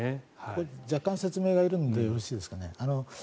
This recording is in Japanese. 若干説明がいるのでよろしいですか。